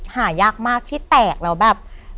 หายากมากที่แตกแล้วแบบ